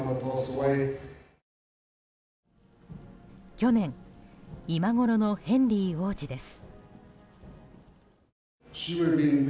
去年、今ごろのヘンリー王子です。